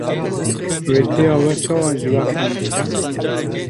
wê dêya we çawa ji we fehm bike